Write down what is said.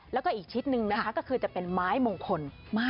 แล้วก็อีกชิ้นหนึ่งนะคะก็คือจะเป็นไม้มงคล